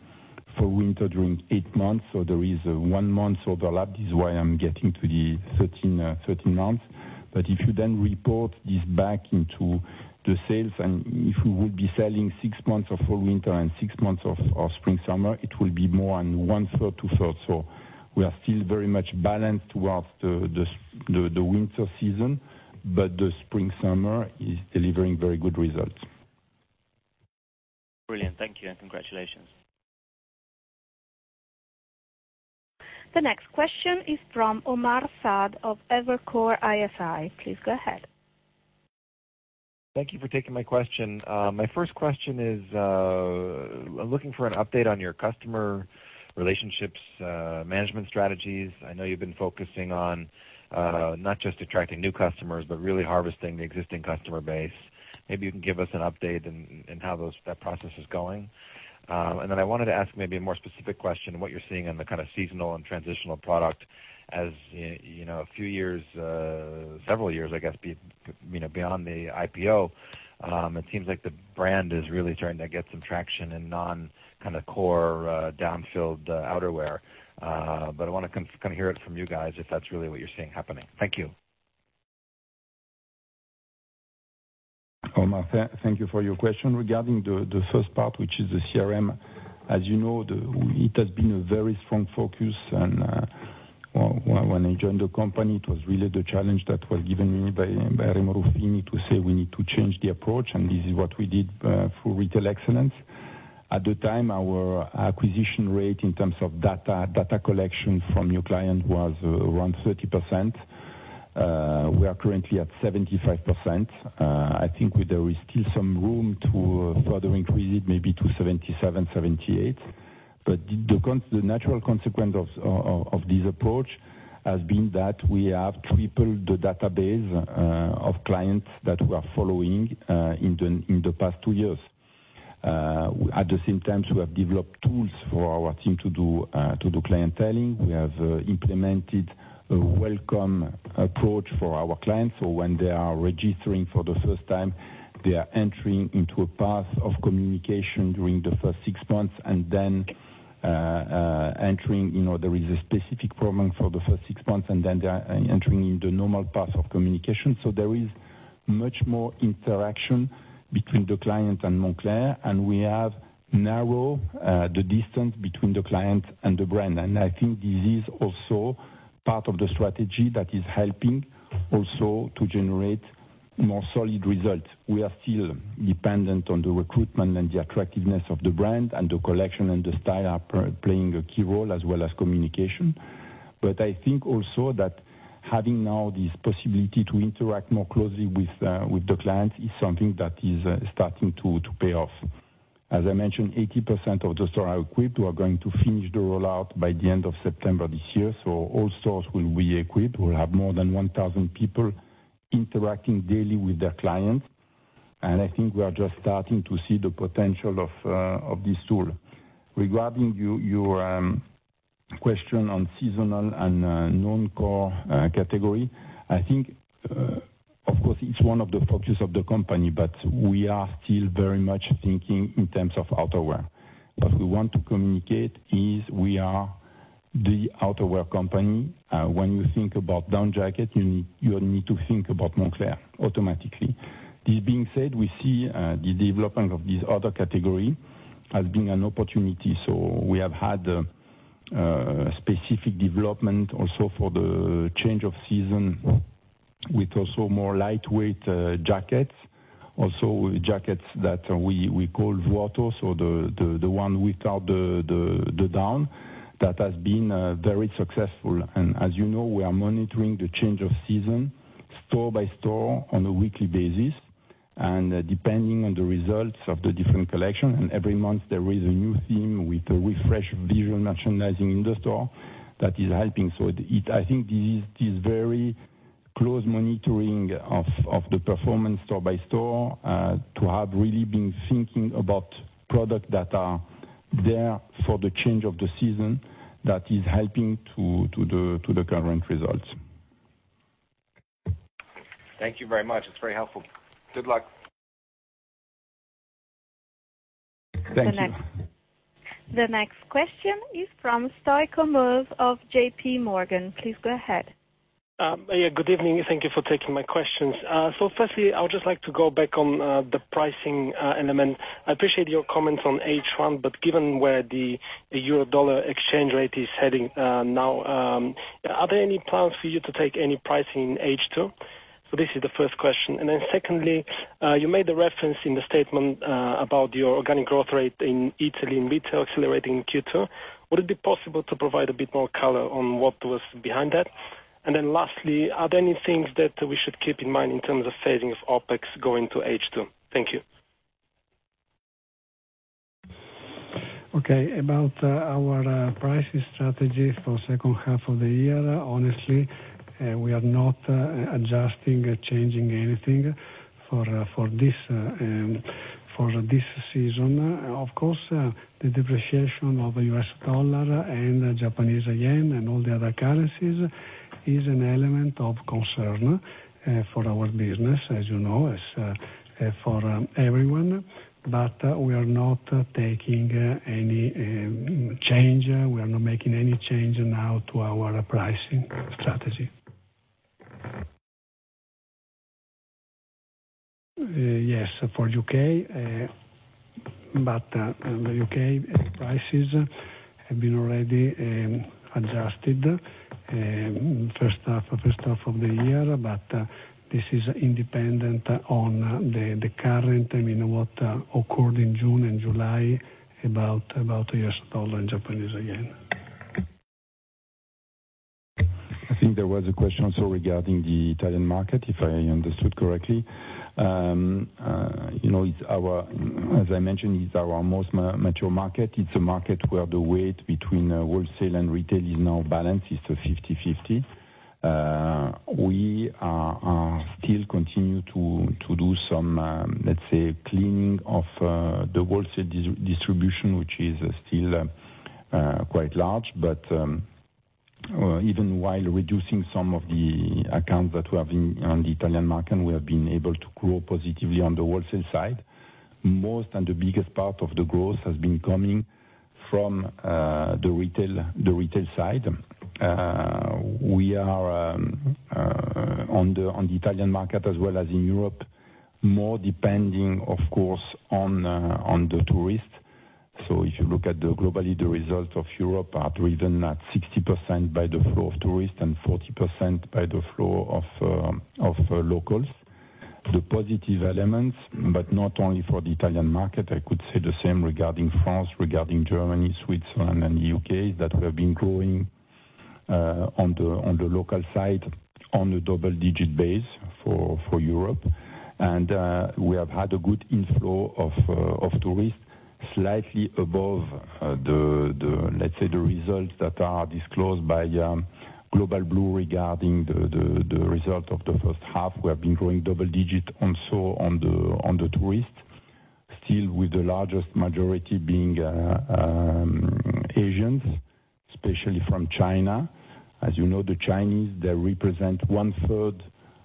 fall/winter during eight months, there is one month overlap. This is why I'm getting to the 13 months. If you then report this back into the sales, if we would be selling six months of fall/winter and six months of spring/summer, it will be more on one third, two third. We are still very much balanced towards the winter season, the spring/summer is delivering very good results. Brilliant. Thank you, and congratulations. The next question is from Omar Saad of Evercore ISI. Please go ahead. Thank you for taking my question. My first question is, looking for an update on your customer relationships management strategies. I know you've been focusing on not just attracting new customers, but really harvesting the existing customer base. Maybe you can give us an update in how that process is going. I wanted to ask maybe a more specific question, what you're seeing on the kind of seasonal and transitional product. As a few years, several years, I guess, beyond the IPO, it seems like the brand is really starting to get some traction in non kind of core down-filled outerwear. I want to kind of hear it from you guys if that's really what you're seeing happening. Thank you. Omar, thank you for your question. Regarding the first part, which is the CRM, as you know, it has been a very strong focus and When I joined the company, it was really the challenge that was given me by Remo Ruffini to say we need to change the approach, and this is what we did for retail excellence. At the time, our acquisition rate in terms of data collection from new client was around 30%. We are currently at 75%. I think there is still some room to further increase it, maybe to 77%, 78%. The natural consequence of this approach has been that we have tripled the database of clients that we are following in the past 2 years. At the same time, we have developed tools for our team to do clienteling. We have implemented a welcome approach for our clients. When they are registering for the first time, they are entering into a path of communication during the first 6 months, and then there is a specific program for the first 6 months, and then they are entering in the normal path of communication. There is much more interaction between the client and Moncler, and we have narrowed the distance between the client and the brand. I think this is also part of the strategy that is helping also to generate more solid results. We are still dependent on the recruitment and the attractiveness of the brand, and the collection and the style are playing a key role as well as communication. I think also that having now this possibility to interact more closely with the client is something that is starting to pay off. As I mentioned, 80% of the stores are equipped. We are going to finish the rollout by the end of September this year. All stores will be equipped. We'll have more than 1,000 people interacting daily with their clients. I think we are just starting to see the potential of this tool. Regarding your question on seasonal and non-core category, I think, of course, it's one of the focuses of the company, but we are still very much thinking in terms of outerwear. What we want to communicate is we are the outerwear company. When you think about down jacket, you need to think about Moncler automatically. This being said, we see the development of this other category as being an opportunity. We have had specific development also for the change of season with also more lightweight jackets, also jackets that we call vuoto, so the one without the down. That has been very successful. As you know, we are monitoring the change of season store by store on a weekly basis, and depending on the results of the different collection, and every month, there is a new theme with a refreshed visual merchandising in the store that is helping. I think this very close monitoring of the performance store by store, to have really been thinking about product that are there for the change of the season, that is helping to the current results. Thank you very much. It's very helpful. Good luck. Thank you. The next question is from Zuzanna Pusz of JP Morgan. Please go ahead. Good evening. Thank you for taking my questions. Firstly, I would just like to go back on the pricing element. I appreciate your comments on H1, but given where the euro dollar exchange rate is heading now, are there any plans for you to take any pricing in H2? This is the first question. Secondly, you made a reference in the statement about your organic growth rate in Italy in retail accelerating in Q2. Would it be possible to provide a bit more color on what was behind that? Lastly, are there any things that we should keep in mind in terms of savings of OpEx going to H2? Thank you. About our pricing strategy for H2 of the year. Honestly, we are not adjusting or changing anything for this season. Of course, the depreciation of USD and JPY and all the other currencies is an element of concern for our business, as you know, as for everyone. We are not taking any change. We are not making any change now to our pricing strategy. For U.K. In the U.K., prices have been already adjusted H1 of the year. This is independent on the current, what occurred in June and July about USD and JPY. I think there was a question also regarding the Italian market, if I understood correctly. As I mentioned, it's our most mature market. It's a market where the weight between wholesale and retail is now balanced. It's 50/50. We still continue to do some, let's say, cleaning of the wholesale distribution, which is still quite large. Even while reducing some of the accounts that we have in the Italian market, we have been able to grow positively on the wholesale side. Most and the biggest part of the growth has been coming from the retail side. We are, on the Italian market as well as in Europe, more depending, of course, on the tourist If you look at, globally, the result of Europe are driven at 60% by the flow of tourists and 40% by the flow of locals. The positive elements, not only for the Italian market, I could say the same regarding France, regarding Germany, Switzerland, and U.K., that we have been growing on the local side on a double-digit base for Europe. We have had a good inflow of tourists, slightly above the results that are disclosed by Global Blue regarding the result of the H1. We have been growing double digits also on the tourists, still with the largest majority being Asians, especially from China. As you know, the Chinese, they represent one-third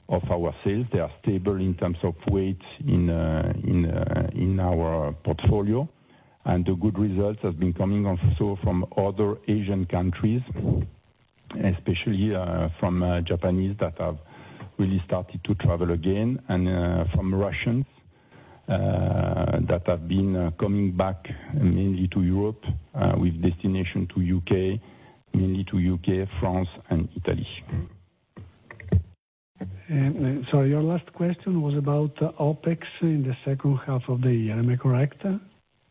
of our sales. They are stable in terms of weight in our portfolio. The good results have been coming also from other Asian countries, especially from Japanese that have really started to travel again, and from Russians that have been coming back mainly to Europe with destination to U.K., France, and Italy. Sorry, your last question was about OpEx in the H2 of the year. Am I correct? Yes,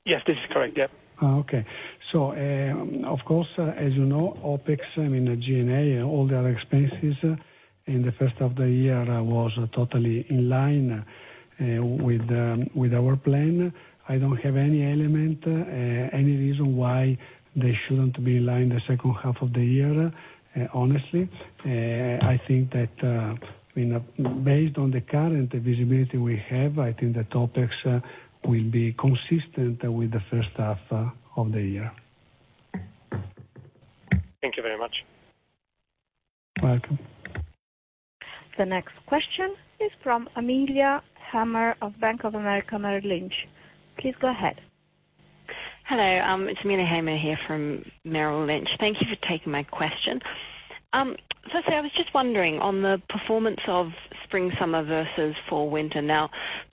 this is correct. Yep. Okay. Of course, as you know, OpEx, I mean, the G&A and all the other expenses in the first half of the year was totally in line with our plan. I don't have any element, any reason why they shouldn't be in line the second half of the year, honestly. I think that based on the current visibility we have, I think the OpEx will be consistent with the first half of the year. Thank you very much. Welcome. The next question is from Amelia Hammer of Bank of America Merrill Lynch. Please go ahead. Hello, it's Amelia Hammer here from Merrill Lynch. Thank you for taking my question. I was just wondering on the performance of spring/summer versus fall/winter.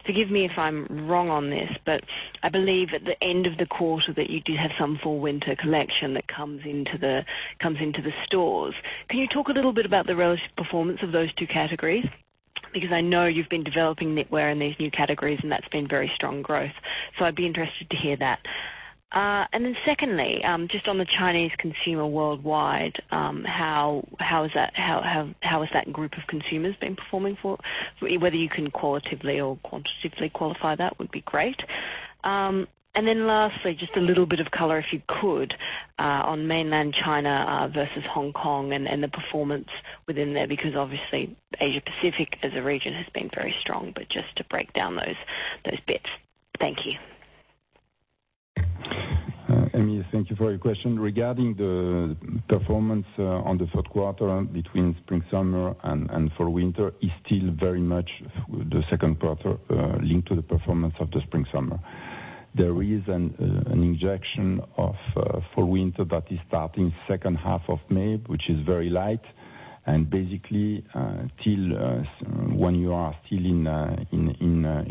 Forgive me if I'm wrong on this, but I believe at the end of the quarter that you did have some fall/winter collection that comes into the stores. Can you talk a little bit about the relative performance of those two categories? I know you've been developing knitwear in these new categories, and that's been very strong growth. I'd be interested to hear that. Secondly, just on the Chinese consumer worldwide, how has that group of consumers been performing for, whether you can qualitatively or quantitatively qualify that would be great. Lastly, just a little bit of color, if you could, on mainland China versus Hong Kong and the performance within there, because obviously Asia Pacific as a region has been very strong, but just to break down those bits. Thank you. Amelia, thank you for your question. Regarding the performance on the third quarter between spring/summer and fall/winter is still very much the second quarter linked to the performance of the spring/summer. There is an injection of fall/winter that is starting second half of May, which is very light. When you are still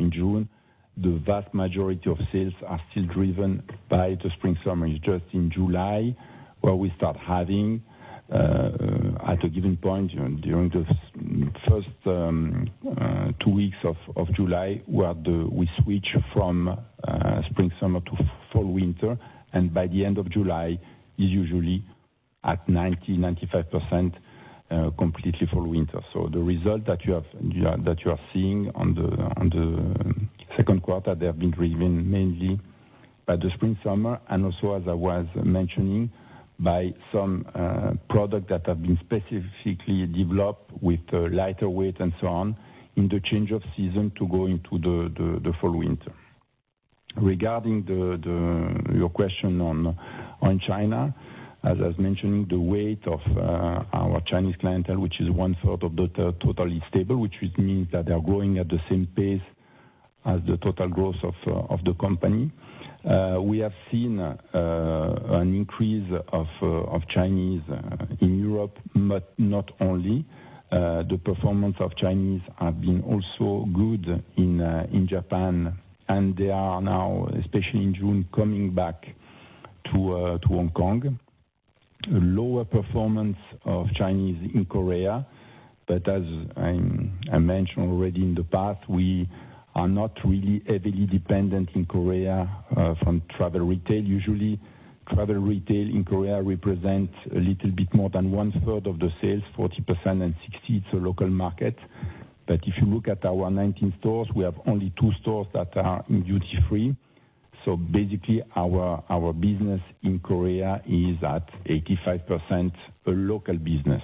in June, the vast majority of sales are still driven by the spring/summer. It's just in July where we start having, at a given point during the first two weeks of July, where we switch from spring/summer to fall/winter. By the end of July, it's usually at 90-95% completely fall/winter. The result that you are seeing on the second quarter, they have been driven mainly by the spring/summer and also, as I was mentioning, by some products that have been specifically developed with lighter weight and so on, in the change of season to go into the fall/winter. Regarding your question on China, as I was mentioning, the weight of our Chinese clientele, which is one-third of the total, is stable, which means that they are growing at the same pace as the total growth of the company. We have seen an increase of Chinese in Europe, but not only. The performance of Chinese have been also good in Japan, they are now, especially in June, coming back to Hong Kong. Lower performance of Chinese in Korea. As I mentioned already in the past, we are not really heavily dependent in Korea from travel retail. Usually, travel retail in Korea represents a little bit more than one-third of the sales, 40%, and 60% is the local market. If you look at our 19 stores, we have only two stores that are in duty free. Basically, our business in Korea is at 85% a local business.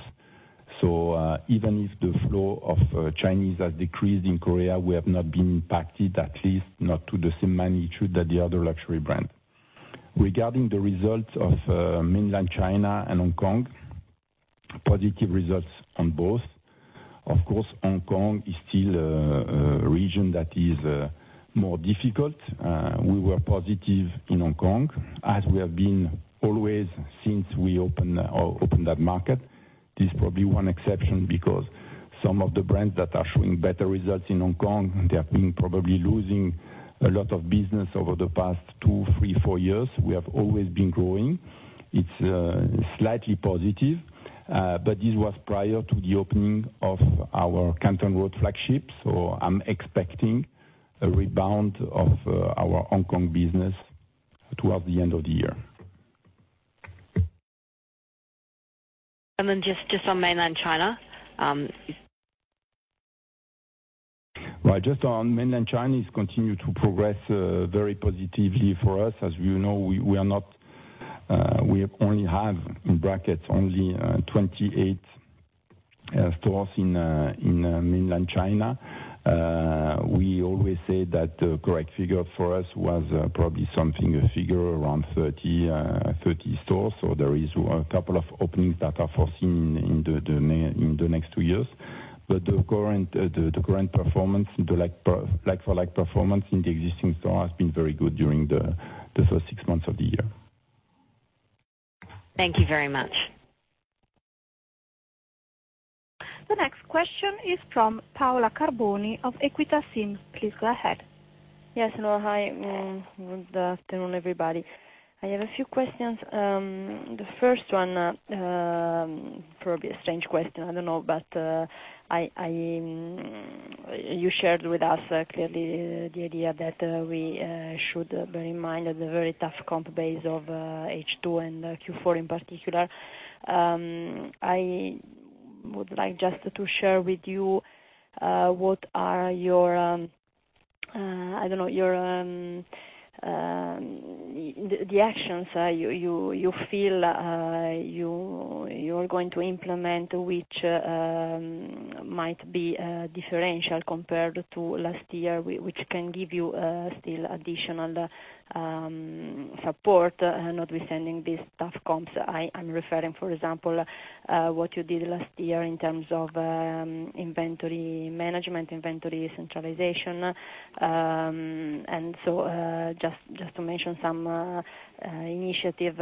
Even if the flow of Chinese has decreased in Korea, we have not been impacted, at least not to the same magnitude as the other luxury brands. Regarding the results of mainland China and Hong Kong, positive results on both. Of course, Hong Kong is still a region that is more difficult. We were positive in Hong Kong, as we have been always since we opened that market. This is probably one exception, because some of the brands that are showing better results in Hong Kong, they have been probably losing a lot of business over the past two, three, four years. We have always been growing. It's slightly positive, but this was prior to the opening of our Canton Road flagship, so I'm expecting a rebound of our Hong Kong business towards the end of the year. Just on mainland China. Right, just on mainland China, it continues to progress very positively for us. As you know, we only have, in brackets, only 28 stores in mainland China. We always say that the correct figure for us was probably something, a figure around 30 stores. There is a couple of openings that are foreseen in the next two years. The current performance, the like-for-like performance in the existing stores has been very good during the first six months of the year. Thank you very much. The next question is from Paola Carboni of Equita SIM. Please go ahead. Yes, hello. Hi, good afternoon, everybody. I have a few questions. The first one, probably a strange question, I don't know, but you shared with us clearly the idea that we should bear in mind the very tough comp base of H2, and Q4 in particular. I would like just to share with you what are your, I don't know, the actions you feel you are going to implement, which might be differential compared to last year, which can give you still additional support, notwithstanding these tough comps. I'm referring, for example, what you did last year in terms of inventory management, inventory centralization. Just to mention some initiative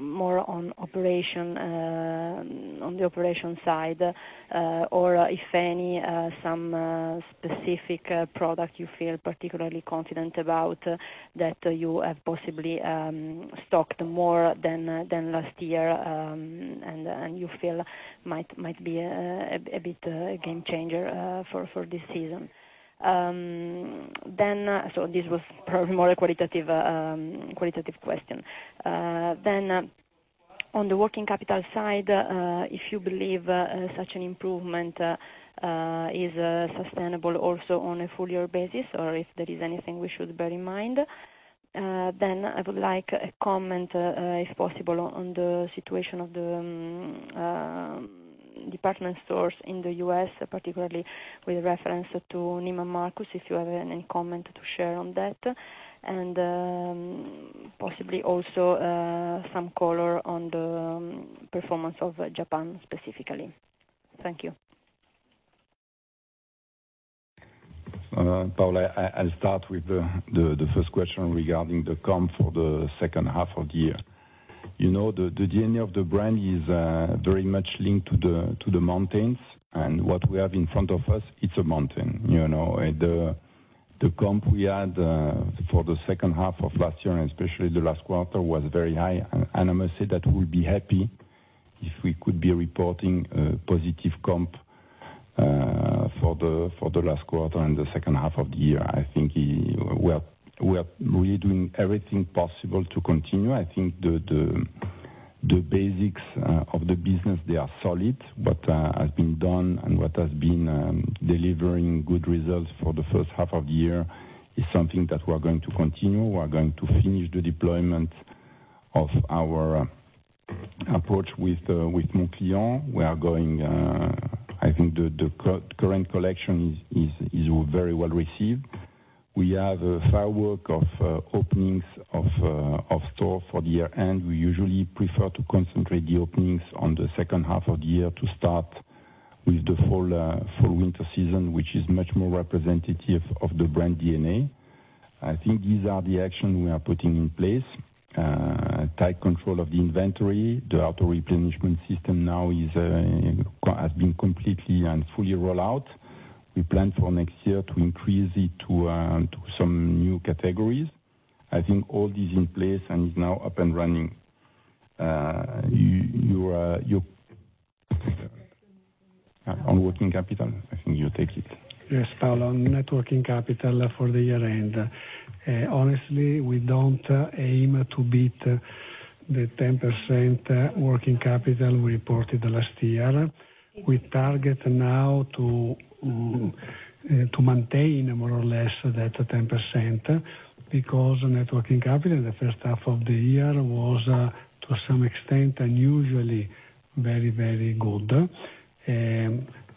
more on the operation side. If any, some specific product you feel particularly confident about that you have possibly stocked more than last year, and you feel might be a bit a game changer for this season. This was probably more a qualitative question. On the working capital side, if you believe such an improvement is sustainable also on a full year basis, or if there is anything we should bear in mind. I would like a comment, if possible, on the situation of the department stores in the U.S., particularly with reference to Neiman Marcus, if you have any comment to share on that. Possibly also some color on the performance of Japan, specifically. Thank you. Paola, I'll start with the first question regarding the comp for the second half of the year. The DNA of the brand is very much linked to the mountains. What we have in front of us, it's a mountain. The comp we had for the second half of last year, and especially the last quarter, was very high. I must say that we'll be happy if we could be reporting a positive comp for the last quarter and the second half of the year. I think we are really doing everything possible to continue. I think the basics of the business, they are solid. What has been done and what has been delivering good results for the first half of the year is something that we are going to continue. We are going to finish the deployment of our approach with Moncler. I think the current collection is very well received. We have a firework of openings of stores for the year-end. We usually prefer to concentrate the openings on the second half of the year to start with the fall/winter season, which is much more representative of the brand DNA. I think these are the actions we are putting in place. Tight control of the inventory. The auto-replenishment system now has been completely and fully roll out. We plan for next year to increase it to some new categories. I think all is in place and is now up and running. On working capital, I think you take it. Yes, Paola, on net working capital for the year-end. Honestly, we don't aim to beat the 10% working capital we reported last year. We target now to maintain more or less that 10%, because net working capital in the first half of the year was, to some extent, unusually very good.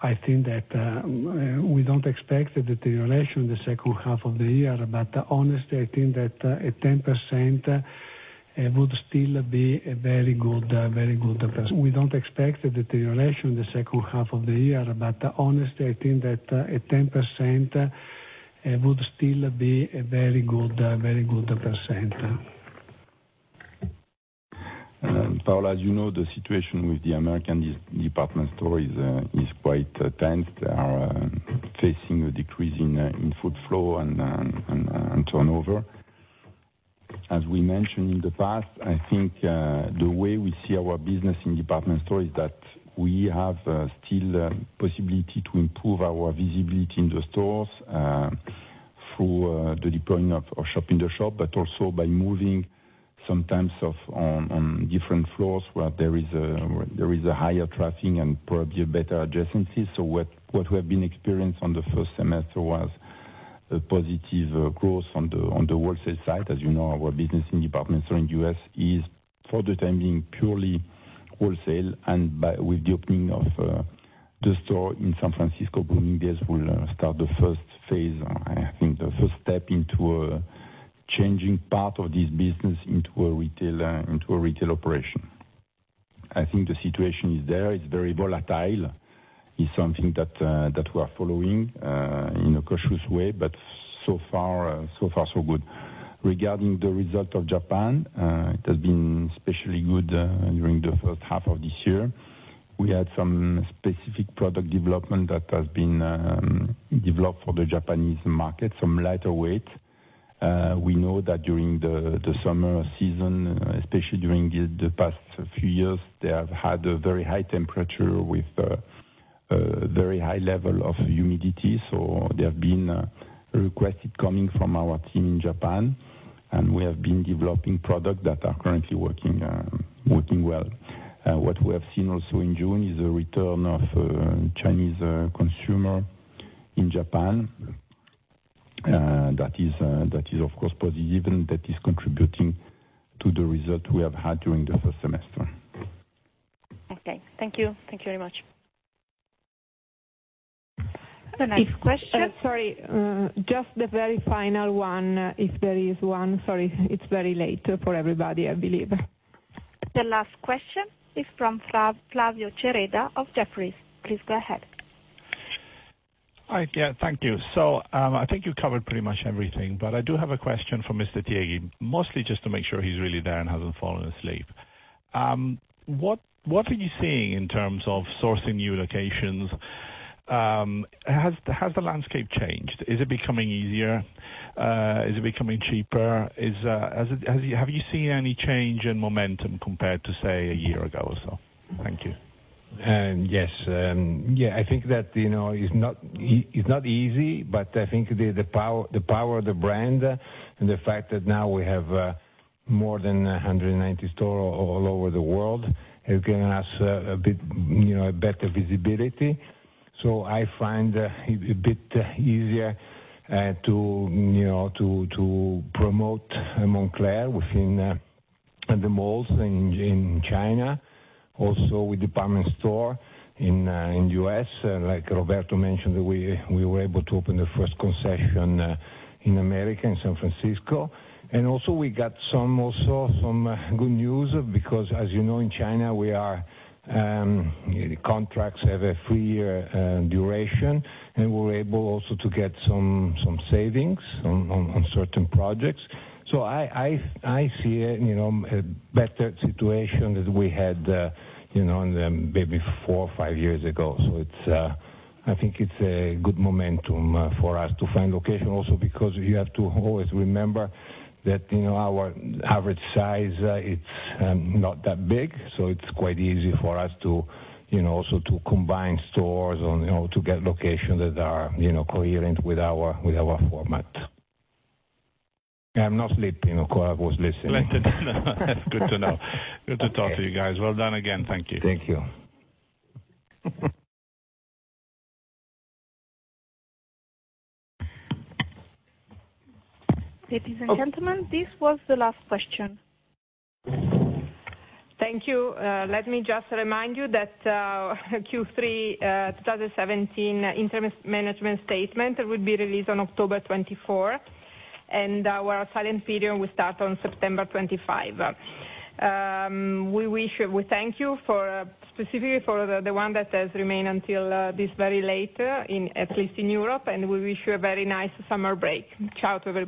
I think that we don't expect a deterioration in the second half of the year. Honestly, I think that a 10% Would still be a very good percentage. We don't expect a deterioration in the second half of the year, honestly, I think that a 10% would still be a very good percentage. Paola, as you know, the situation with the American department store is quite tense. They are facing a decrease in foot flow and turnover. As we mentioned in the past, I think the way we see our business in department store is that we have still possibility to improve our visibility in the stores through the deployment of shop in the shop, but also by moving sometimes on different floors where there is a higher traffic and probably a better adjacency. What we have been experienced on the first semester was a positive growth on the wholesale side. As you know, our business in [are] in U.S. is, for the time being, purely wholesale, and with the opening of the store in San Francisco, Bloomingdale's will start the first phase, I think the first step into changing part of this business into a retail operation. I think the situation is there. It's very volatile. It's something that we are following in a cautious way, but so far so good. Regarding the result of Japan, it has been especially good during the first half of this year. We had some specific product development that has been developed for the Japanese market, some lighter weight. We know that during the summer season, especially during the past few years, they have had a very high temperature with very high level of humidity. There have been requests coming from our team in Japan, and we have been developing product that are currently working well. What we have seen also in June is a return of Chinese consumer in Japan. That is, of course, positive and that is contributing to the result we have had during the first semester. Okay. Thank you. Thank you very much. The next question- Sorry, just the very final one, if there is one. Sorry. It's very late for everybody, I believe. The last question is from Flavio Cereda of Jefferies. Please go ahead. Hi. Thank you. I think you covered pretty much everything, but I do have a question for Mr. Tieghi, mostly just to make sure he's really there and hasn't fallen asleep. What are you seeing in terms of sourcing new locations? Has the landscape changed? Is it becoming easier? Is it becoming cheaper? Have you seen any change in momentum compared to, say, a year ago or so? Thank you. Yes. I think that it's not easy, but I think the power of the brand and the fact that now we have more than 190 stores all over the world has given us a bit better visibility. I find it a bit easier to promote Moncler within the malls in China, also with department store in the U.S. Like Roberto mentioned, we were able to open the first concession in America, in San Francisco. Also we got some good news because as you know, in China, the contracts have a three-year duration, and we're able also to get some savings on certain projects. I see a better situation than we had maybe four or five years ago. I think it's a good momentum for us to find location also because you have to always remember that our average size, it's not that big, so it's quite easy for us also to combine stores or to get locations that are coherent with our format. I'm not sleeping. I was listening. Good to know. Good to talk to you guys. Well done again. Thank you. Thank you. Ladies and gentlemen, this was the last question. Thank you. Let me just remind you that Q3 2017 interim management statement will be released on October 24, and our silent period will start on September 25. We thank you specifically for the one that has remained until this very late, at least in Europe, and we wish you a very nice summer break. Ciao to everybody